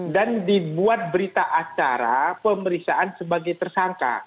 dan dibuat berita acara pemeriksaan sebagai tersangka